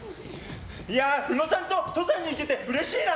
宇野さんと登山に行けてうれしいな。